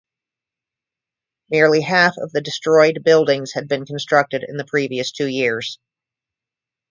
Nearly half of the destroyed buildings had been constructed in the previous two years.